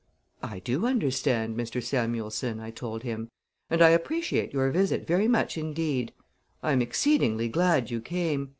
"I do understand, Mr. Samuelson," I told him, "and I appreciate your visit very much indeed. I am exceedingly glad you came.